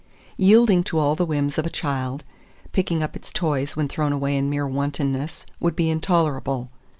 Yielding to all the whims of a child, picking up its toys when thrown away in mere wantonness, would be intolerable.